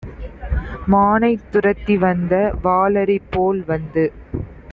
மானைத் துரத்திவந்த வாளரிபோல் வந்து